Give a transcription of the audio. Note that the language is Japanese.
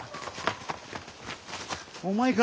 お前か。